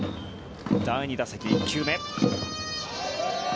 第２打席、１球目。